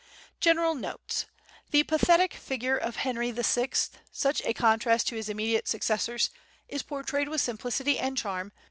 General Notes. The pathetic figure of Henry VI, such a contrast to his immediate successors, is portrayed with simplicity and charm, pp.